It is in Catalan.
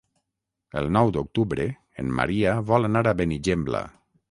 El nou d'octubre en Maria vol anar a Benigembla.